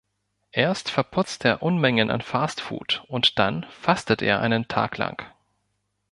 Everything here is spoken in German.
Erst verputzt er Unmengen an Fastfood und dann fastet er einen Tag lang.